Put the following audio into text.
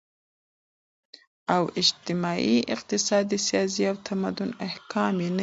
او اجتماعي، اقتصادي ، سياسي او تمدني احكام ئي نوي راليږلي